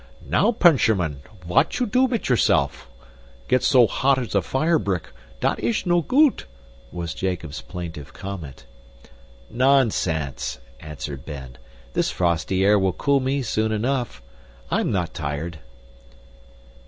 "Now, Penchamin, vat you do mit yourself? Get so hot as a fire brick dat ish no goot," was Jacob's plaintive comment. "Nonsense!" answered Ben. "This frosty air will cool me soon enough. I am not tired."